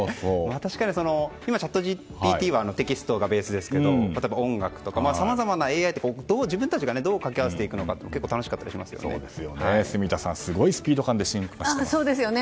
確かに今、チャットＧＰＴはテキストがベースですけど音楽とか、さまざまなＡＩと自分たちがどうかけ合わせていくか住田さん、すごいスピード感で進化していますね。